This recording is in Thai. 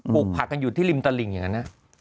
ลูกผักกันอยู่ที่ริมตลิ่งอย่างนั้น